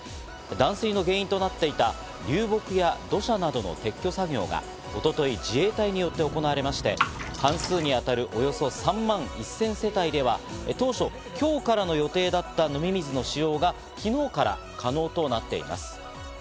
断水の原因となっていた流木や土砂などの撤去作業が一昨日、自衛隊によって行われまして、半数に当たるおよそ３万１０００世帯では当初、今日からの予定だった飲み水の使用が昨日から可能となっています。